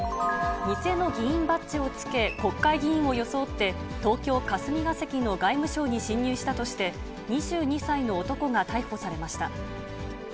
偽の議員バッジをつけ、国会議員を装って、東京・霞が関の外務省に侵入したとして、２２歳の男が逮捕されました。